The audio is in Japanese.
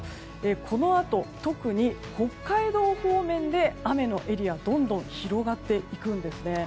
このあと、特に北海道方面で雨のエリアがどんどん広がっていくんです。